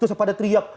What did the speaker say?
terus pada teriak